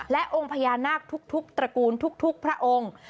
และองค์พญานาคทุกตระกูลทุกพระองค์